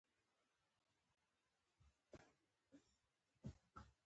• کتاب د ذهن لپاره خواړه دی.